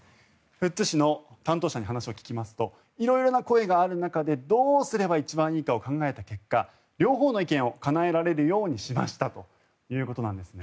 富津市の担当者に話を聞きますと色々な声がある中でどうすれば一番いいか考えた結果両方に意見をかなえられるようにしましたということです。